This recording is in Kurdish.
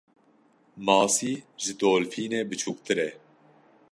Masî ji dolfînê biçûktir e.